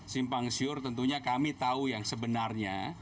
simpang siur tentunya kami tahu yang sebenarnya